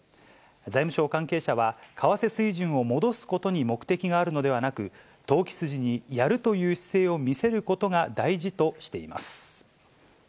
財務省関係者は、為替水準を戻すことに目的があるのではなく、投機筋にやるという姿勢を見せることが大事としています。